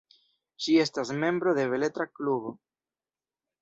Ŝi estas membro de beletra klubo.